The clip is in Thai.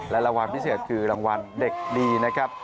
และรางวัลพิเศษคือรางวัลเด็กดีนะครับ